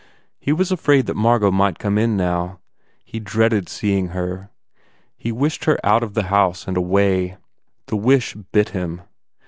He was afraid that Margot might come in, now. He dreaded seeing her. He wished her out of the house and away. The wish bit him.